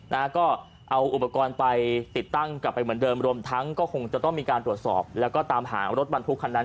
นะฮะก็เอาอุปกรณ์ไปติดตั้งกลับไปเหมือนเดิมรวมทั้งก็คงจะต้องมีการตรวจสอบแล้วก็ตามหารถบรรทุกคันนั้น